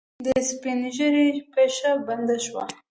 د سپينږيري پښه بنده شوه.